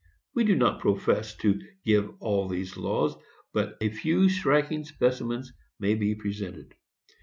We do not profess to give all these laws, but a few striking specimens may be presented.